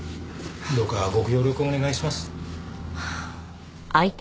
どうかご協力をお願いします。